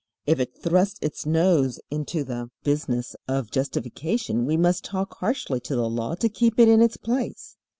If it thrusts its nose into the business of justification we must talk harshly to the Law to keep it in its place.